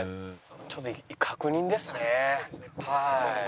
ちょっと確認ですねはい。